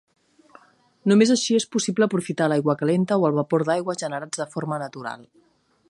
Només així és possible aprofitar l'aigua calenta o el vapor d'aigua generats de forma natural.